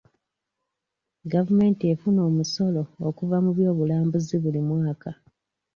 Gavumenti efuna omusolo okuva mu byobulambuzi buli mwaka.